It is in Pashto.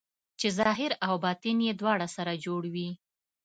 چې ظاهر او باطن یې دواړه سره جوړ وي.